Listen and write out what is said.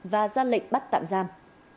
và ra lệnh bắt tạm giam